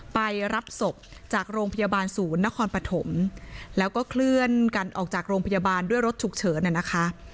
ไปรับศพจากโรงพยาบาลศูนย์นครปฐมแล้วก็เคลื่อนกันออกจากโรงพยาบาลด้วยรถฉุกเฉินน่ะนะคะ